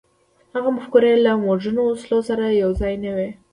هغه مفکورې له مډرنو وسلو سره یو ځای نه وې.